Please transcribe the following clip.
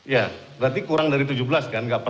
ya berarti kurang dari tujuh belas kan